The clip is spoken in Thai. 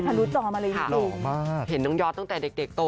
ทะลุจตอนมาเลยจริงเห็นน้องยอดตั้งแต่เด็กโต